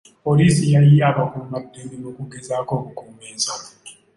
Poliisi yayiye abakuumaddembe mu kugezaako okukuuma ensalo.